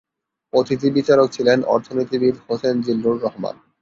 অতিথি বিচারক ছিলেন অর্থনীতিবিদ হোসেন জিল্লুর রহমান।